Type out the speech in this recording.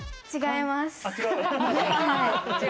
違います。